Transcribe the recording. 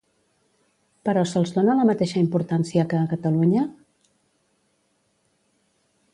Però se'ls dona la mateixa importància que a Catalunya?